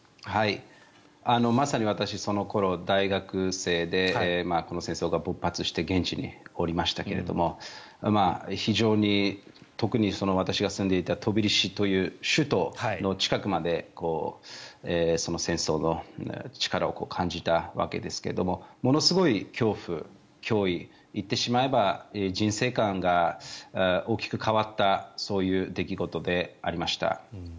まさに私その頃、大学生でこの戦争が勃発して現地におりましたが非常に、特に私が住んでいたトビリシという首都の近くまで戦争の力を感じたわけですがものすごい恐怖、脅威言ってしまえば人生観が大きく変わった出来事でありました。